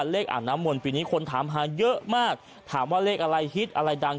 อ่างน้ำมนต์ปีนี้คนถามหาเยอะมากถามว่าเลขอะไรฮิตอะไรดัง